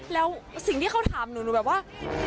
แล้วสิ่งที่เขาถามหนูหนูแบบว่า